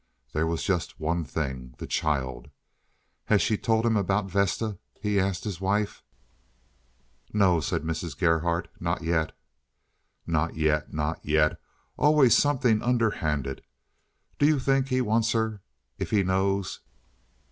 There was just one thing—the child. "Has she told him about Vesta?" he asked his wife. "No," said Mrs. Gerhardt, "not yet." "Not yet, not yet. Always something underhanded. Do you think he wants her if he knows?